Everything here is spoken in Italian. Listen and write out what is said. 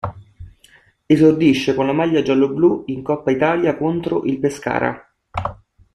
Esordisce con la maglia gialloblu in Coppa Italia contro il Pescara.